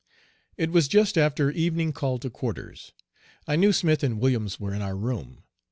It was just after "evening call to quarters." I knew Smith and Williams were in our room.